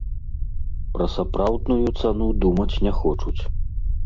Пра сапраўдную цану думаць не хочуць.